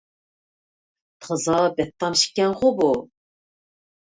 تازا بەتتام ئىكەنغۇ بۇ.